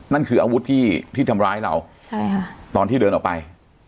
นั่นคืออาวุธที่ที่ทำร้ายเราใช่ค่ะตอนที่เดินออกไป